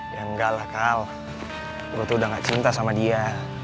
ya enggak lah kal waktu udah gak cinta sama dia